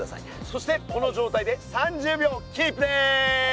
そしてこのじょうたいで３０秒キープです。